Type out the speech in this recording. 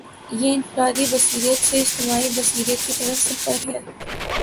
یہ انفرادی بصیرت سے اجتماعی بصیرت کی طرف سفر ہے۔